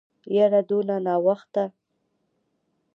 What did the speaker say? يره دونه ناوخته.